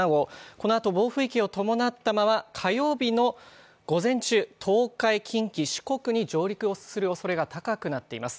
このあと暴風域を伴ったまま、火曜日の午前中、東海、近畿、四国に上陸するおそれが高くなっています。